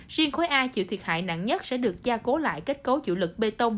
riêng khối a chịu thiệt hại nặng nhất sẽ được gia cố lại kết cấu dự lực bê tông